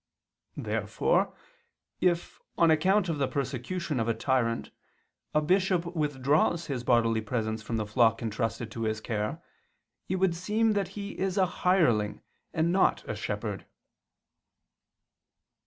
Therefore if, on account of the persecution of a tyrant, a bishop withdraws his bodily presence from the flock entrusted to his care, it would seem that he is a hireling and not a shepherd.